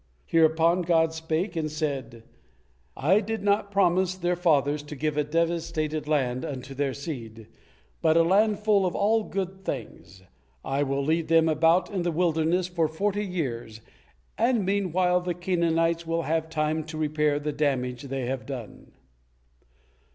Hereupon God spake, and said: "I did not promise their fathers to give a devastated land unto their see, but a land full of all good things. I will lead them about in the wilderness for forty years, and meanwhile the Canaanites will have time to repair the damage they have done."